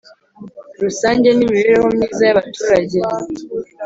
Rusange n Imibereho Myiza y Abaturage